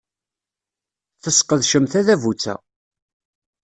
Tesqedcem tadabut-a.